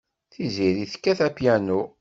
Tiziri tekkat apyanu.